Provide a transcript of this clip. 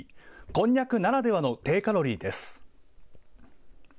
こんにゃくならではの低カロリーです。